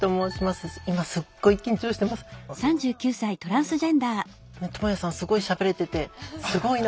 もう何かともやさんすごいしゃべれててすごいな。